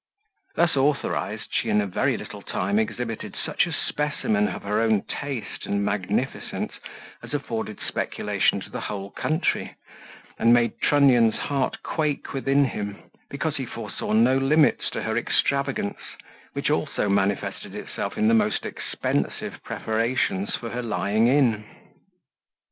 Thus authorized, she in a very little time exhibited such a specimen of her own taste and magnificence as afforded speculation to the whole country, and made Trunnion's heart quake within him; because he foresaw no limits to her extravagance which also manifested itself in the most expensive preparations for her lying in.